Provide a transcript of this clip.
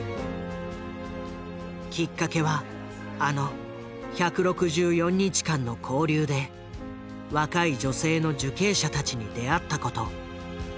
きっかけはあの１６４日間の勾留で若い女性の受刑者たちに出会ったこと。